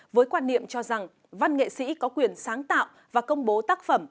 với quan niệm cho rằng văn nghệ sĩ có quyền sáng tạo và công bố tác phẩm